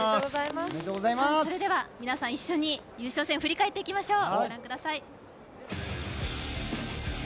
それでは皆さん、一緒に優勝戦を振り返っていきましょう。